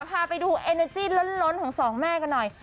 พาไปดูเอเนอร์จี้ล้นของสองแม่กันหน่อย